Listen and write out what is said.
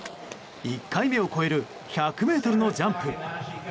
１回目を超える１００ｍのジャンプ。